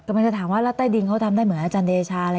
กำลังจะถามว่าแล้วใต้ดินเขาทำได้เหมือนอาจารย์เดชาอะไร